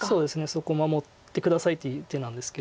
「そこ守って下さい」っていう手なんですけど。